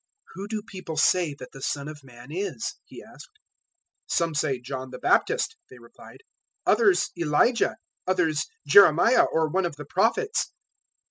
"Who do people say that the Son of Man is?" He asked. 016:014 "Some say John the Baptist," they replied; "others Elijah; others Jeremiah or one of the Prophets."